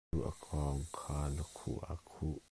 A lu aa kawngh khan lukhuh aa khut.